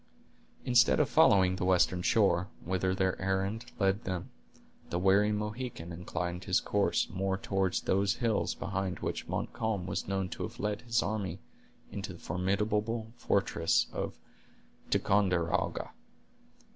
Instead of following the western shore, whither their errand led them, the wary Mohican inclined his course more toward those hills behind which Montcalm was known to have led his army into the formidable fortress of Ticonderoga.